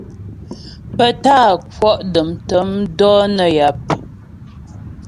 Pə tá'a kwɔ' dəm tə̂m dɔ̌ nə́ yap.